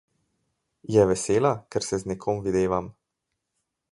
Je vesela, ker se z nekom videvam?